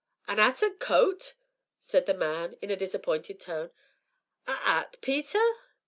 "A 'at an' coat!" said the old man in a disappointed tone "a 'at, Peter?"